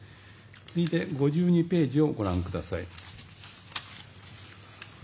続いて、５２ページをご覧ください。